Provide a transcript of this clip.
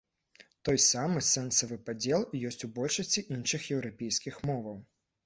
Той самы сэнсавы падзел ёсць у большасці іншых еўрапейскіх моваў.